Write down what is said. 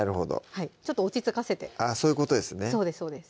ちょっと落ち着かせてあぁそういうことですね